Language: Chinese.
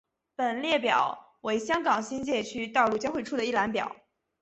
本列表为香港新界区道路交汇处的一览表。